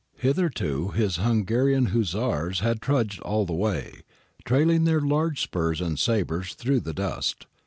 Hitherto his Hungarian hussars had trudged all the way, trailing their huge spurs and sabres through the dust.